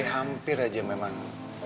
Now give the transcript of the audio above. hampir aja memang